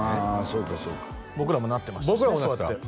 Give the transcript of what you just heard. そうかそうか僕らもなってましたしね